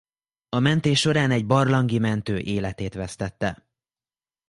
A mentés során egy barlangi mentő életét vesztette.